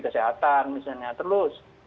kesehatan misalnya terus